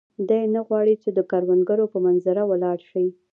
دی نه غواړي چې د کروندګرو په منظره ولاړ شي.